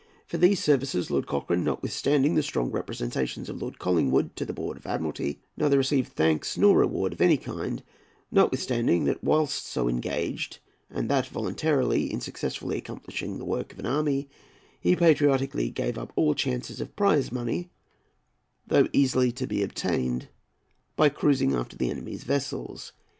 For these services, Lord Cochrane, notwithstanding the strong representations of Lord Collingwood to the Board of Admiralty, neither received thanks nor reward of any kind; notwithstanding that whilst so engaged, and that voluntarily, in successfully accomplishing the work of an army, he patriotically gave up all chances of prize money, though easily to be obtained by cruising after the enemy's vessels.